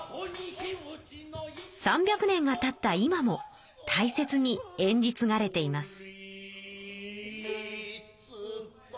３００年がたった今もたいせつに演じ継がれています。